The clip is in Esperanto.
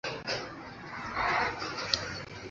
Oni scias malmulte pri ties dieto.